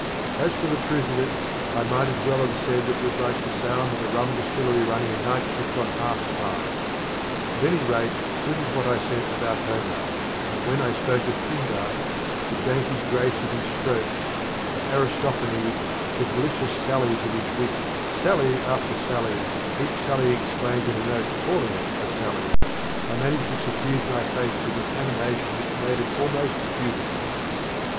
As for the truth of it, I might as well have said that it was like the sound of a rum distillery running a night shift on half time. At any rate this is what I said about Homer, and when I spoke of Pindar, the dainty grace of his strophes, and Aristophanes, the delicious sallies of his wit, sally after sally, each sally explained in a note calling it a sally I managed to suffuse my face with an animation which made it almost beautiful.